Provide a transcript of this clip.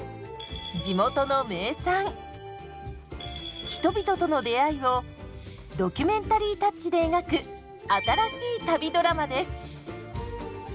地元の名産人々との出会いをドキュメンタリータッチで描く新しい旅ドラマです。